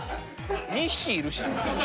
２匹いるし。